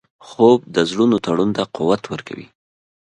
خوب د زړونو تړون ته قوت ورکوي